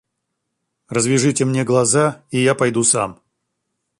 Развяжите мне глаза и я пойду сам.